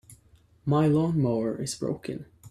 My lawn-mower is broken.